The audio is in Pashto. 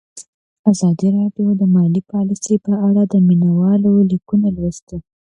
ازادي راډیو د مالي پالیسي په اړه د مینه والو لیکونه لوستي.